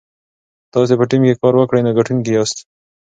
که تاسي په ټیم کې کار وکړئ نو ګټونکي یاست.